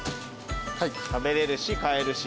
食べれるし買えるし。